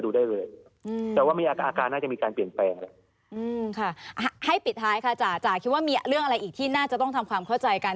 อืมค่ะให้ปิดท้ายค่ะจ๋าจ๋าคิดว่ามีเรื่องอะไรอีกที่น่าจะต้องทำความเข้าใจกัน